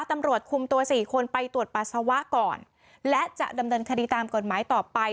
ตำรวจคุมตัวสี่คนไปตรวจปัสสาวะก่อนและจะดำเนินคดีตามกฎหมายต่อไป